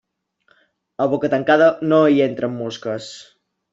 A boca tancada no hi entren mosques.